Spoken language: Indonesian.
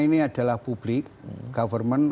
ini adalah publik government